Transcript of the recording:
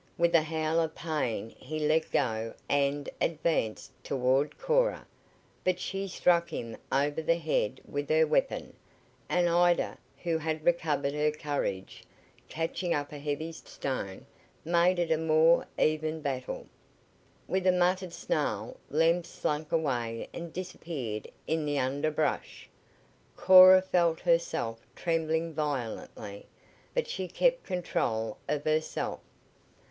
With a howl of pain he let go and advanced toward Cora, but she struck him aver the head with her weapon, and Ida, who had recovered her courage, catching up a heavy stone, made it a more even battle. With a muttered snarl Lem slunk away and disappeared in the underbrush. Cora felt herself trembling violently, but she kept control of herself.